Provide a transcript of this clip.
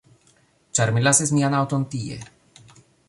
Ĉar mi lasis mian aŭton tie